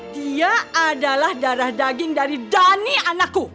dia adalah darah daging dari dani anakku